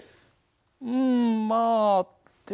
うんまあでもね